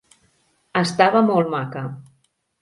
Estava molt maca.